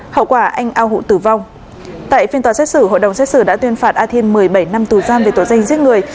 hậu quả anh ao hụ tử vong tại phiên tòa xét xử hội đồng xét xử đã tuyên phạt a thiên một mươi bảy năm tù giam về tội danh giết người